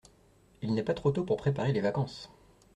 Il n’est pas trop tôt pour préparer les vacances.